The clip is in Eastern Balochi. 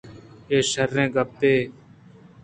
اے شرّیں گپّے